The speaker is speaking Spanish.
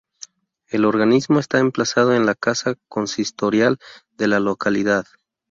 El organismo está emplazado en la Casa Consistorial de la localidad.